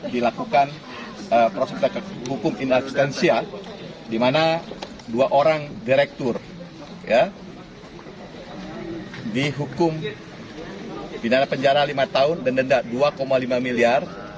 direktur dihukum binara penjara lima tahun dan denda dua lima miliar